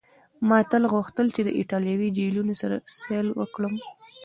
ما تل غوښتل چي د ایټالوي جهیلونو سیل وکړم.